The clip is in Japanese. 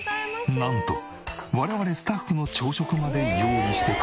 なんと我々スタッフの朝食まで用意してくれた。